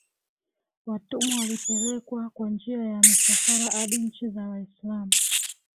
watumwa walipelekwa kwa njia ya misafara hadi nchi za Waislamu